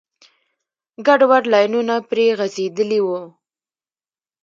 ګډوډ لاینونه پرې غځېدلي وو.